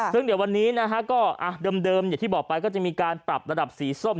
ซึ่งเดี๋ยววันนี้นะฮะก็เดิมอย่างที่บอกไปก็จะมีการปรับระดับสีส้ม